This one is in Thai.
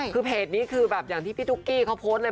คือเพจนี้คือแบบอย่างที่พี่ตุ๊กกี้เขาโพสต์เลย